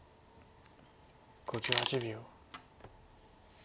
５８秒。